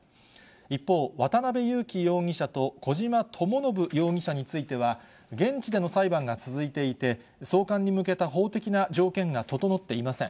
一方、渡辺優樹容疑者と小島智信容疑者については、現地での裁判が続いていて、送還に向けた法的な条件が整っていません。